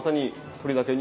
鶏だけに。